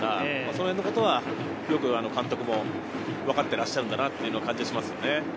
そういうことは監督もいよく分かっていらっしゃるんだなという感じがしますね。